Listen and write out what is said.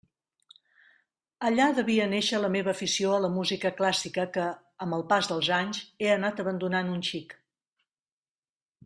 Allà devia néixer la meva afició a la música clàssica que, amb el pas dels anys, he anat abandonant un xic.